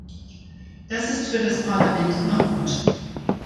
Das ist für das Parlament immer gut.